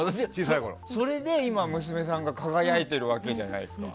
それで今、娘さんが輝いているわけじゃないですか。